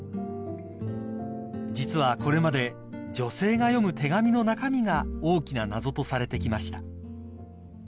［実はこれまで女性が読む手紙の中身が大きな謎とされてきました］